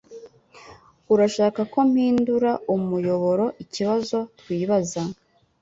Urashaka ko mpindura umuyoboroikibazo twibaza